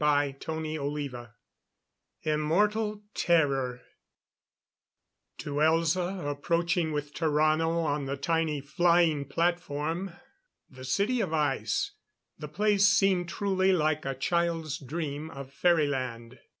CHAPTER XXV Immortal Terror To Elza, approaching with Tarrano on the tiny flying platform the City of Ice, the place seemed truly like a child's dream of Fairyland.